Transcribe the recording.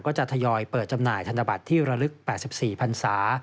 จะทยอยเปิดจำหน่ายธนบัตรที่ระลึก๘๔พันศา